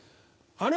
あれ。